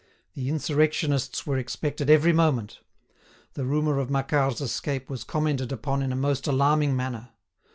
The insurrectionists were expected every moment. The rumour of Macquart's escape was commented upon in a most alarming manner.